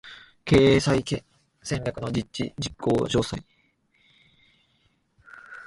経営再建戦略の実施事項詳細